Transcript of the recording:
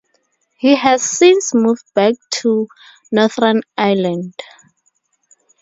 He has since moved back to Northern Ireland.